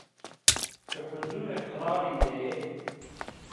Ti huzurê qiralî de yê